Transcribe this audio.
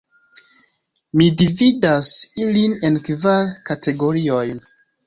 Mi dividas ilin en kvar kategoriojn.